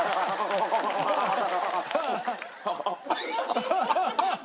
ハハハハハ。